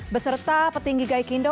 beserta petinggi gaikindo